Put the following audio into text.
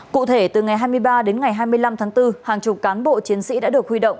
cụ thể từ ngày hai mươi ba đến ngày hai mươi năm tháng bốn hàng chục cán bộ chiến sĩ đã được huy động